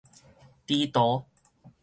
豬屠